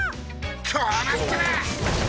こうなったら！